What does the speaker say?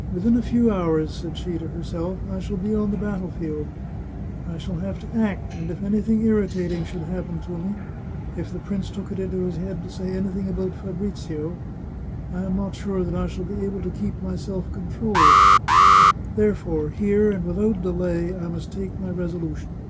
" Within a few hours," said she to herself, " I shall be on the battle field. I shall have to act, and if anything irritating should happen to me, if the prince took it into his head to say anything about Fabrizio, I am not sure that I shall be able to keep 294 The Chartreuse of Parma my self control. Therefore, here and without delay, I must take my resolution.